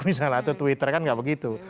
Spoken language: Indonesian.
misalnya facebook atau twitter kan tidak begitu